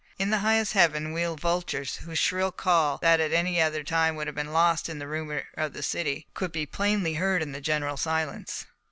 In the highest heaven wheeled vultures, whose shrill call, that at any other time would have been lost in the rumour of the city, could be plainly heard in the general silence.